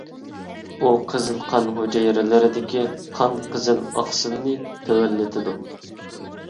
ئۇ قىزىل قان ھۈجەيرىلىرىدىكى قان قىزىل ئاقسىلنى تۆۋەنلىتىدۇ.